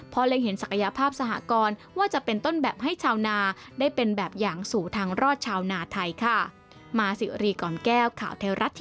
เพราะเล็งเห็นศักยภาพสหกรว่าจะเป็นต้นแบบให้ชาวนาได้เป็นแบบอย่างสู่ทางรอดชาวนาไทยค่ะ